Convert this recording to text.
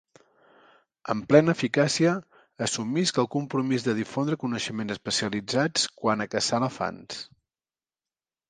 Amb plena eficàcia, assumisc el compromís de difondre coneixements especialitzats quant a caçar elefants.